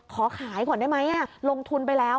ขอขายก่อนได้ไหมลงทุนไปแล้ว